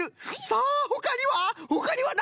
さあほかには？